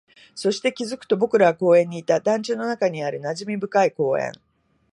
そして、気づくと僕らは公園にいた、団地の中にある馴染み深い公園